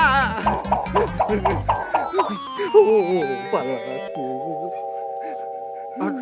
โอ้โฮปลาร้าโอ้โฮ